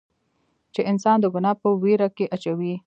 چې انسان د ګناه پۀ وېره کښې اچوي